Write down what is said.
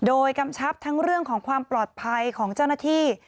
โดยกำชับทั้งเรื่องของความปลอดภัยของเจ้าหน้าที่